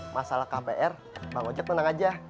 masalah kpr bang rojak menang aja